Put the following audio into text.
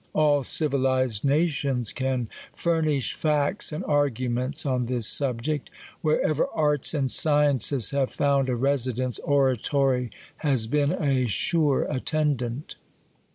All civilized na tions can furnish facts and arguments on this subject. Wherever arts and sciences have found a residence, oratory has been a sure attendant.